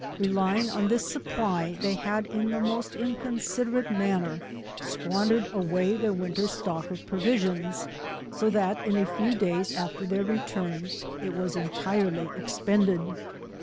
Re lying on this supply, they had in the most incon siderate manner, squandered away their winter stock of provisions, so that in a few days after their return, it was entirely expended.